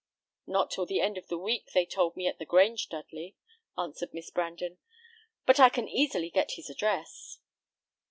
"Not till the end of the week they told me at the Grange, Dudley," answered Miss Brandon; "but I can easily get his address."